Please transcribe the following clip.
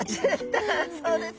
そうですね。